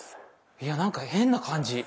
いやなんか変な感じ。